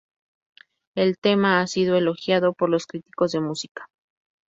El tema ha sido elogiado por los críticos de música.